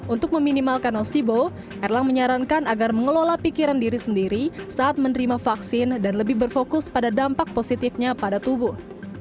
untuk meminimalkan nosibo erlang menyarankan agar mengelola pikiran diri sendiri saat menerima vaksin dan lebih berfokus pada dampak positifnya pada tubuh